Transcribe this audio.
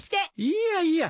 いやいや。